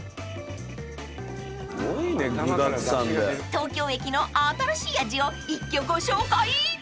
［東京駅の新しい味を一挙ご紹介］